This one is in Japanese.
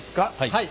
はい。